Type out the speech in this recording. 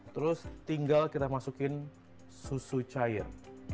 terus tinggal kita masukin susu cair